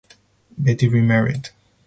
Betty remarried.